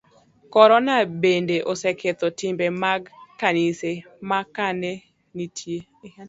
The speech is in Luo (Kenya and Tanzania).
Korona bende oseketho timbe mag kanise, ma ka ne nitie